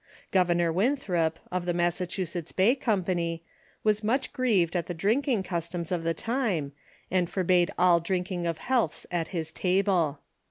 Governor \v inthrop, 01 the Massachusetts Bay Company, Avas much grieved at tlie drinking customs of the time, and forbade all drinking of healths at his table.